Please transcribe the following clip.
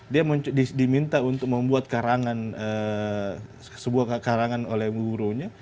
dia diminta untuk membuat sebuah karangan oleh gurunya